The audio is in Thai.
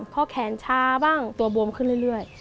เพราะแขนช้าบ้างตัวบวมขึ้นเรื่อย